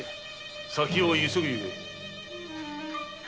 先を急ぐゆえ。